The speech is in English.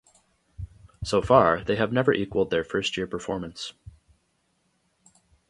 So far, they have never equaled their first-year performance.